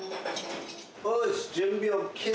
よし。